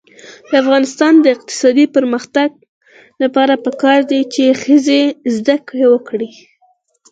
د افغانستان د اقتصادي پرمختګ لپاره پکار ده چې ښځې زده کړې وکړي.